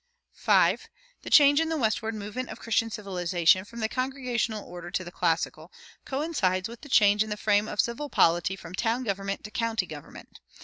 5. The change, in the westward movement of Christian civilization, from the congregational order to the classical, coincides with the change in the frame of civil polity from town government to county government.